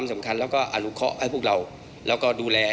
มีการที่จะพยายามติดศิลป์บ่นเจ้าพระงานนะครับ